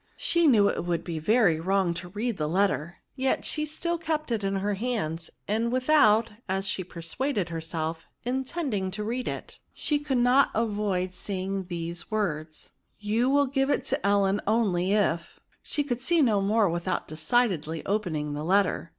She knew it would be very vnrong to read the letter, yet she still kept it in her hands ; and without, as she persuaded herself, intending to read it, she could not avoid seeing these words, you will give it to Ellen only, if—." she could see no more vnthout decidedly open ing the letter.